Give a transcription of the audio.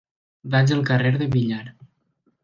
Vaig al carrer de Villar.